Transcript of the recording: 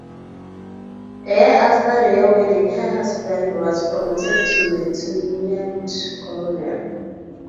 A year after their wedding her husband was promoted to Lieutenant Colonel.